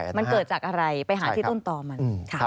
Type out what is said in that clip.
มันเกิดจากอะไรไปหาที่ต้นต่อมันค่ะ